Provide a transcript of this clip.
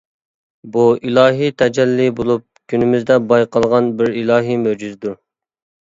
بۇ ئىلاھى تەجەللى بولۇپ كۈنىمىزدە بايقالغان بىر ئىلاھى مۆجىزىدۇر.